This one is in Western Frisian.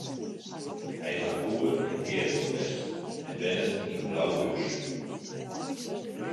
Hy hat boer en keapman west en wennet yn Blauhús.